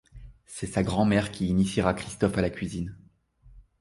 C’est sa grand-mère qui initiera Christophe à la cuisine.